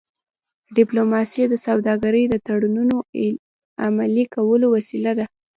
ډيپلوماسي د سوداګری د تړونونو عملي کولو وسیله ده.